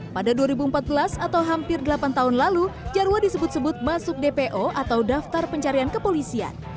pada dua ribu empat belas atau hampir delapan tahun lalu jarwo disebut sebut masuk dpo atau daftar pencarian kepolisian